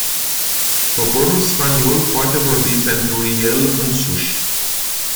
Poporul spaniol poate vorbi pentru el însuși.